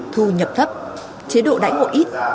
thu nhập thấp chế độ đãi ngộ ít